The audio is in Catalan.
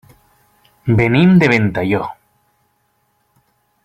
Venim de Ventalló.